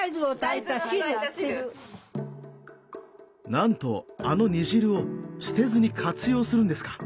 なんとあの煮汁を捨てずに活用するんですか。